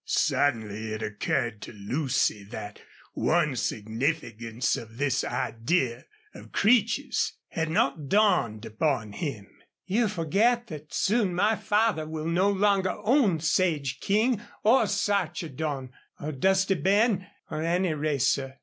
Suddenly it occurred to Lucy that one significance of this idea of Creech's had not dawned upon him. "You forget that soon my father will no longer own Sage King or Sarchedon or Dusty Ben or any racer.